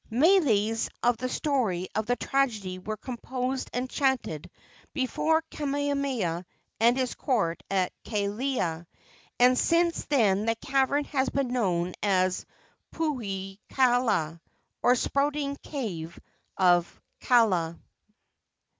Meles of the story of the tragedy were composed and chanted before Kamehameha and his court at Kealia, and since then the cavern has been known as Puhio kaala, or "Spouting Cave of Kaala."